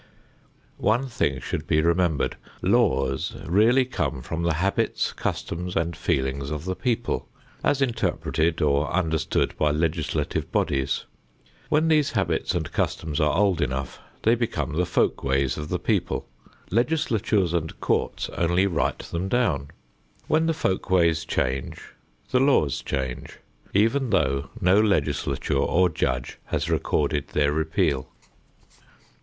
One thing should be remembered. Laws really come from the habits, customs and feelings of the people, as interpreted or understood by legislative bodies. When these habits and customs are old enough they become the folk ways of the people. Legislatures and courts only write them down. When the folk ways change the laws change, even though no legislature or judge has recorded their repeal.